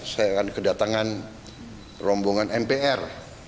saya akan kedatangan rombongan mpr